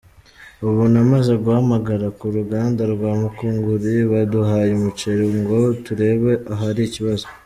Ubu namaze guhamagara ku ruganda rwa Mukunguri baduhaye umuceri ngo turebe ahari ikibazo.